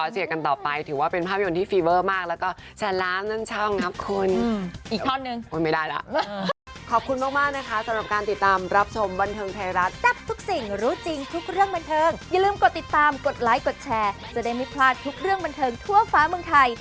จะได้ไม่พลาดทุกเรื่องบรรเทิงทั่วฟ้าเมืองไทย